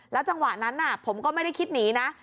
จังหวะนั้นผมก็ไม่ได้คิดหนีนะ